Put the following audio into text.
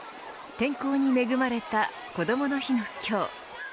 天候に恵まれたこどもの日の今日。